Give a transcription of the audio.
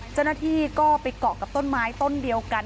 เจ้าหน้าที่ก็ไปเกาะกับต้นไม้ต้นเดียวกัน